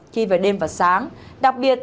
khi về đêm và sáng đặc biệt